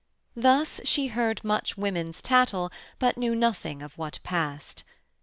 Thus she heard much women's tattle, but knew nothing of what passed.